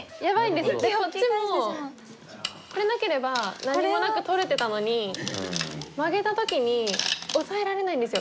でこっちもこれなければ何もなく取れてたのにマゲた時にオサえられないんですよ